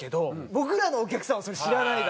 僕らのお客さんはそれ知らないだろうから。